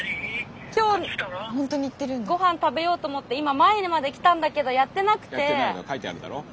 ごはん食べようと思って今前まで来たんだけどやってなくて。